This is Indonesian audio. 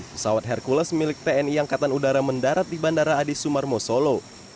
pesawat hercules milik tni angkatan udara mendarat di bandara adi sumarmo solo